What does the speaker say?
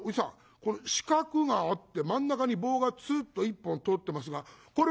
この四角があって真ん中に棒がつうっと１本通ってますがこれは何ですか？」。